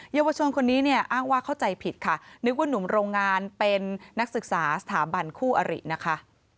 เยาวชนคนนี้เนี่ยอ้างว่าเข้าใจผิดค่ะนึกว่าหนุ่มโรงงานเป็นนักศึกษาสถาบันคู่อรินะคะ